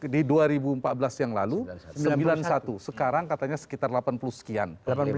di dua ribu empat belas yang lalu sembilan puluh satu sekarang katanya sekitar delapan puluh sekian